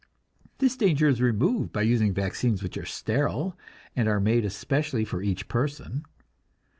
This danger is removed by using vaccines which are sterile, and are made especially for each person.